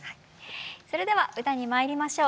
それでは歌にまいりましょう。